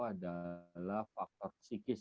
adalah faktor psikis